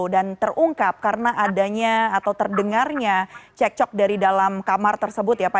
sembilan tiga puluh dan terungkap karena adanya atau terdengarnya cekcok dari dalam kamar tersebut ya pak